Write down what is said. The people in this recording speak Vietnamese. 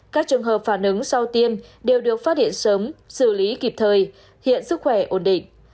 các trường hợp phản ứng sau tiêm đều được phát hiện sớm xử lý kịp thời hiện sức khỏe ổn định